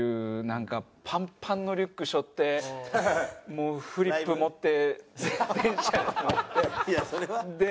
なんかパンパンのリュック背負ってもうフリップ持って電車に乗って。